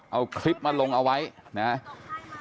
เอาคลิปมาลงเอาไว้นะครับ